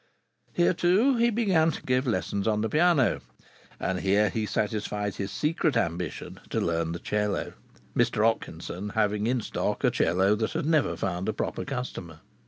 Here, too, he began to give lessons on the piano. And here he satisfied his secret ambition to learn the violoncello, Mr Otkinson having in stock a violoncello that had never found a proper customer.